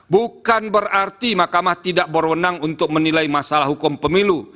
bukan berarti mahkamah tidak berwenang untuk menilai masalah hukum pemilu